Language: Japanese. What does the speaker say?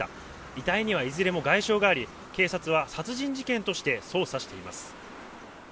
遺体にはいずれも外傷があり、警察は殺人事件として捜査しています。